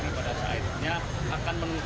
dikirim amanah sebagai pemimpin